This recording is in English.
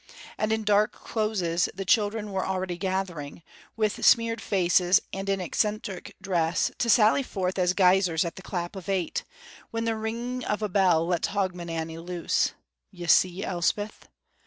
and in dark closes the children were already gathering, with smeared faces and in eccentric dress, to sally forth as guisers at the clap of eight, when the ringing of a bell lets Hogmanay loose. ("You see, Elspeth?")